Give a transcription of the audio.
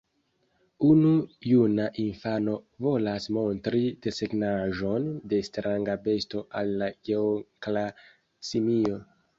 Unu juna infano volas montri desegnaĵon de stranga besto al la geonkla simio.